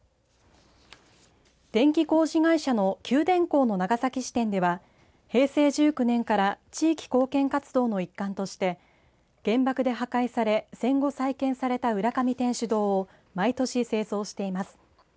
電気工事会社の九電工の長崎支店では平成１９年から地域貢献活動の一環として原爆で破壊され、戦後再建された浦上天主堂を毎年清掃しています。